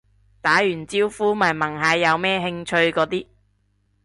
打完招呼咪問下有咩興趣嗰啲